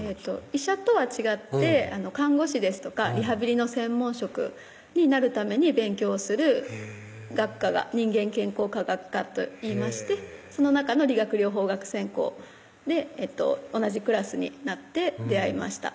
医者とは違って看護師ですとかリハビリの専門職になるために勉強する学科が人間健康科学科といいましてその中の理学療法学専攻で同じクラスになって出会いました